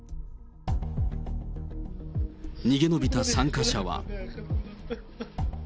逃げ延びた参加者は。